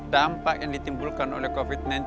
dampak yang ditimbulkan oleh covid sembilan belas